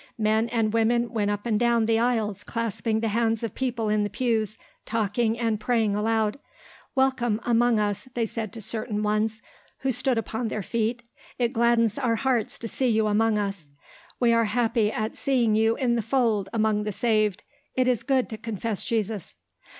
Men and women went up and down the aisles clasping the hands of people in the pews, talking and praying aloud. "Welcome among us," they said to certain ones who stood upon their feet. "It gladdens our hearts to see you among us. We are happy at seeing you in the fold among the saved. It is good to confess Jesus."